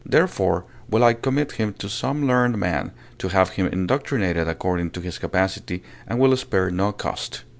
Therefore will I commit him to some learned man, to have him indoctrinated according to his capacity, and will spare no cost.